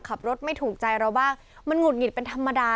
ขับรถไม่ถูกใจเราบ้างมันหุดหงิดเป็นธรรมดา